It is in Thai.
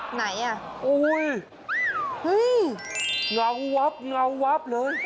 ไหนล่ะโอ้โฮน่าวับเลย